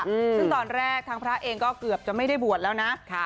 ซึ่งตอนแรกทางพระเองก็เกือบจะไม่ได้บวชแล้วนะค่ะ